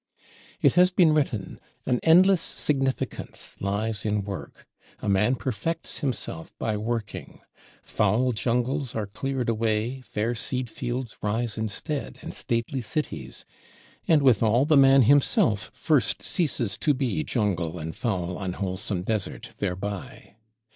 It has been written, "An endless significance lies in Work;" a man perfects himself by working. Foul jungles are cleared away, fair seed fields rise instead, and stately cities; and withal the man himself first ceases to be jungle and foul unwholesome desert thereby.